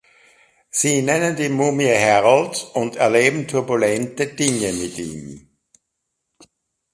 Sie nennen die Mumie Harold und erleben turbulente Dinge mit ihm.